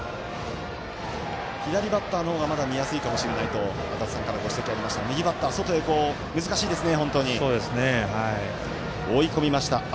左バッターの方がまだ見やすいかもしれないという足達さんからご指摘ありましたが右バッター、外へ難しいですね。